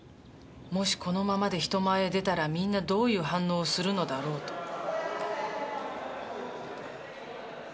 もしこのままで人前へ出たらみんなどういう反応をするのだろうと。